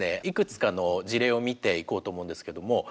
いくつかの事例を見ていこうと思うんですけども。